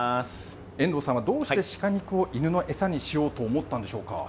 遠藤さんは、どうして鹿肉を犬の餌にしようと思ったんでしょうか？